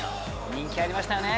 人気ありましたよね